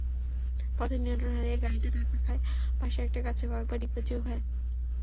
পথে নিয়ন্ত্রণ হারিয়ে গাড়িটা ধাক্কা খায় পাশের একটা গাছে, কয়েকবার ডিগবাজিও খায়।